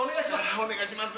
お願いします！